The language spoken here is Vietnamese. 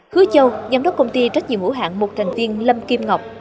khứ châu giám đốc công ty trách nhiệm hữu hạng một thành viên lâm kim ngọc